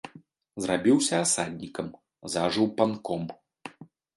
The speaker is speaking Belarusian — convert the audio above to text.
Зрабіўся асаднікам, зажыў панком.